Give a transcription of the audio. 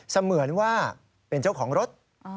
เสมือนว่าเป็นเจ้าของรถ